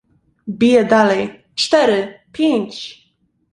"Bije dalej: cztery, pięć!"